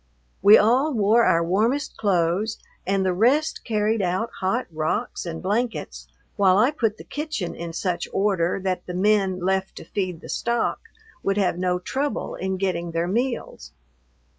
We all wore our warmest clothes, and the rest carried out hot rocks and blankets while I put the kitchen in such order that the men left to feed the stock would have no trouble in getting their meals.